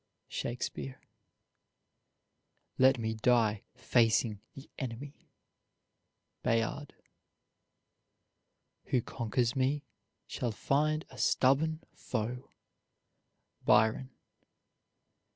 SHAKESPEARE. Let me die facing the enemy. BAYARD. Who conquers me, shall find a stubborn foe. BYRON.